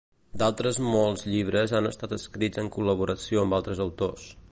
D'altres molts llibres han estat escrits en col·laboració amb altres autors.